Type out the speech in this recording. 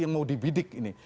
yang mau dibidik ini